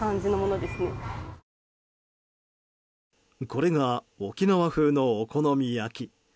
これが、沖縄風のお好み焼き。